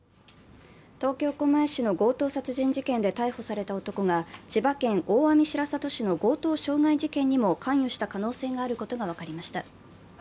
東京・狛江市の強盗殺人事件で逮捕された男が、千葉県大網白里市の強盗傷害事件にも関与した可能性があることが分かりました。